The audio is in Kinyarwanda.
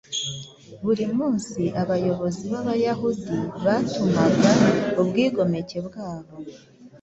buri munsi abayobozi b’Abayahudi batumaga ubwigomeke bwabo